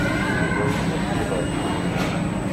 Yuba yemmut seg laẓ.